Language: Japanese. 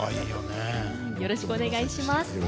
よろしくお願いします。